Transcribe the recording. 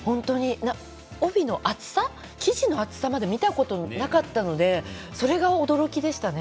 帯の生地の厚さまで見たことがなかったのでそれが驚きでしたね。